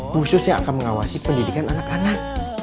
khusus yang akan mengawasi pendidikan anak anak